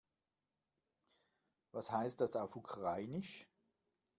Was heißt das auf Ukrainisch?